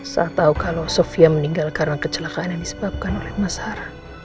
saya tahu kalau sofia meninggal karena kecelakaan yang disebabkan oleh mas hara